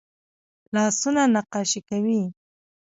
لاسونه نقاشي کوي